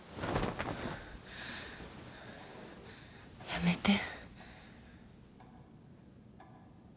やめて。